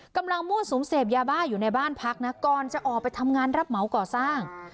มั่วสุมเสพยาบ้าอยู่ในบ้านพักนะก่อนจะออกไปทำงานรับเหมาก่อสร้าง